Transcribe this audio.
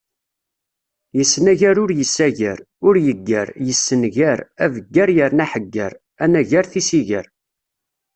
Yesnagar ur yessagar, ur yeggar, yessengar, abeggar yerna aḥegger, anagar tisigar.